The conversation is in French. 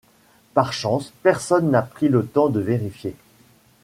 Par chance personne n’a pris le temps de vérifier.